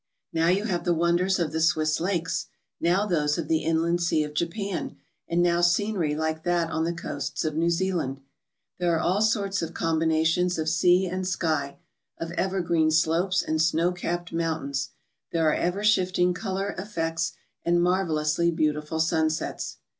Now you have the wonders of the Swiss lakes, now those of the Inland Sea of Japan, and now scenery like that on the coasts of New Zealand. There are all sorts of combinations of sea and sky, of evergreen slopes and snow capped mountains. There are ever shifting colour effects and marvellously beautiful sunsets.